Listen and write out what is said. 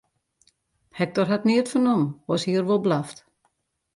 Hektor hat neat fernommen, oars hie er wol blaft.